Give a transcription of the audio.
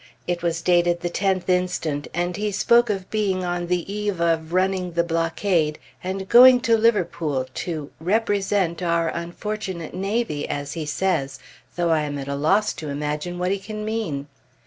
It was dated the 10th inst., and he spoke of being on the eve of running the blockade, and going to Liverpool "to represent our unfortunate navy," as he says, though I am at loss to imagine what he can mean.